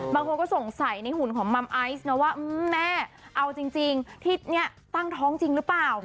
บางคนก็ส่งใสในหุ่นของมัมไอจีว่าแม่เอาจริงทิศเนี่ยตั้งท้องจริงรึเปล่า